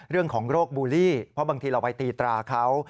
เรื่องของโรคบูลลี่เพราะบางทีเราไปตีตราเขา